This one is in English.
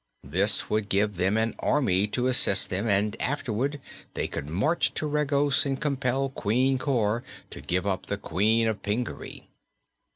This would give them an army to assist them and afterward they could march to Regos and compel Queen Cor to give up the Queen of Pingaree.